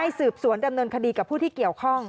สืบสวนดำเนินคดีกับผู้ที่เกี่ยวข้อง